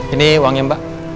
ini uangnya mbak